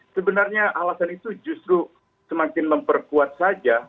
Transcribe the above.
sebenarnya alasan itu justru semakin memperkuat saja